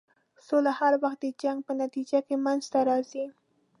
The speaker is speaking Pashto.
سوله هر وخت د جنګ په نتیجه کې منځته راځي.